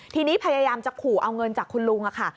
ทีนี้พยายามจะขู่เอาเงินจากคุณลุงค่ะ